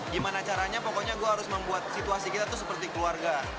gimana caranya pokoknya gue harus membuat situasi kita tuh seperti keluarga